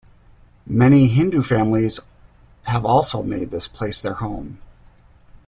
Many Hindu families have also made this place their home.